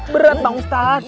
berat bang ustadz